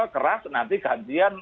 keras nanti gantian